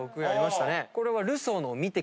これは。